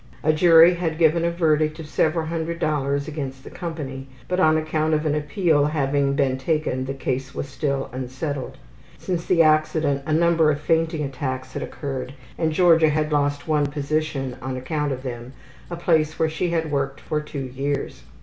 A jury had given a verdict of several hundred dollars against the company, but on account of an appeal having been taken the case was still unsettled. Since the accident a number of fainting attacks had occurred and Georgia had lost one position on account of them, a place where she had worked for 2 years.